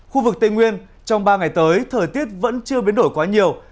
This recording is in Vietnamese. khu vực tây nguyên trong ba ngày tới thời tiết vẫn chưa biến đổi quá nhiều